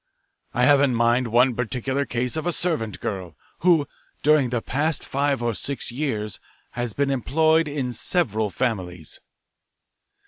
I have in mind one particular case of a servant girl, who, during the past five or six years, has been employed in several families.